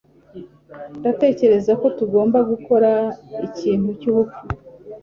Ndatekereza ko tugomba gukora ikintu cyubupfu.